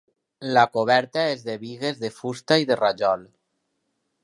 La coberta és de bigues de fusta i de rajol.